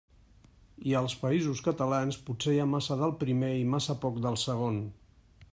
I als Països Catalans potser hi ha massa del primer i massa poc del segon.